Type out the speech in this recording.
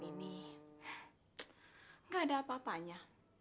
tuhan ini gak ada apa apanya